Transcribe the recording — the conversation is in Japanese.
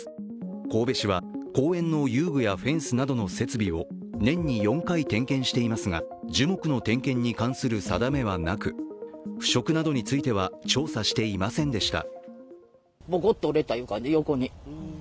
神戸市は公園の遊具やフェンスなどの設備を年に４回点検していますが、樹木の点検に関する定めはなく腐食などについては調査していませんでした。